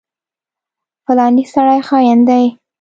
فلانی سړی خاين دی.